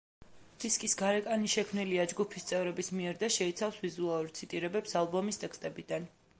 დისკის გარეკანი შექმნილია ჯგუფის წევრების მიერ და შეიცავს ვიზუალურ ციტირებებს ალბომის ტექსტებიდან.